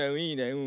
いいね。